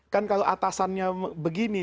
kan kalau atasannya begini